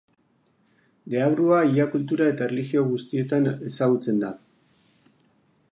Deabrua ia kultura eta erlijio guztietan ezagutzen da.